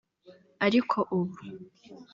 Ariko ubu